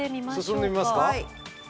進んでみますか？